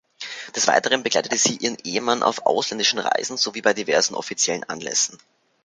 Des Weiteren begleitete sie ihren Ehemann auf ausländischen Reisen sowie bei diversen offiziellen Anlässen.